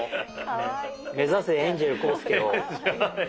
目指せエンジェル浩介を。